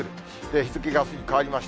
日付があすに変わりました。